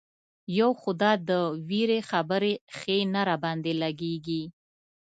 یو خو دا د وېرې خبرې ښې نه را باندې لګېږي.